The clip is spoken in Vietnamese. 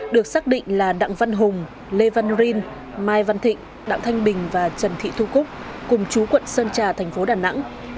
được xác định là đặng văn hùng lê văn rin mai văn thịnh đặng thanh bình và trần thị thu cúc cùng chú quận sơn trà thành phố đà nẵng